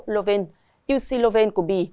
loven uc loven của bì